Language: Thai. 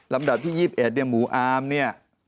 ลำดับที่ยี่สิบแอดเนี่ยหมู่อาร์มเนี่ย